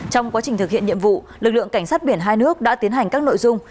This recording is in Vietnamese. trong quá trình thực hiện nhiệm vụ lực lượng cảnh sát biển hai nước đã tiến hành các nội dung